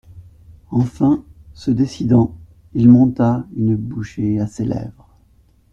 Enfin se décidant, il monta une bouchée à ses lèvres.